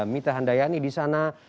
mita handayani disana